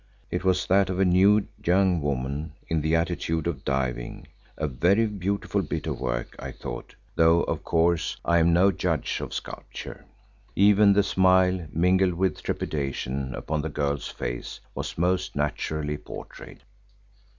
It was that of a nude young woman in the attitude of diving, a very beautiful bit of work, I thought, though of course I am no judge of sculpture. Even the smile mingled with trepidation upon the girl's face was most naturally portrayed.